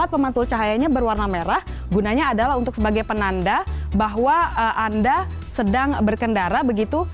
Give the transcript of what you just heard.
pemantul cahayanya berwarna merah gunanya adalah untuk sebagai penanda bahwa anda sedang berkendara begitu